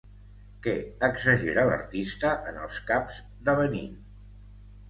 Què exagera l'artista en els caps de Benín?